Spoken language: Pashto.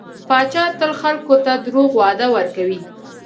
پاچا تل خلکو ته دروغ وعده ورکوي .